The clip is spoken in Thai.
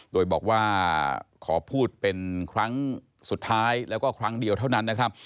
โดยบอกว่าขอพูดเป็นครั้งสุดท้ายแล้วก็ครั้งเดียวเท่านั้นนะครับ